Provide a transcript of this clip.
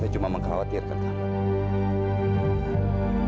saya cuma mengkhawatirkan kamu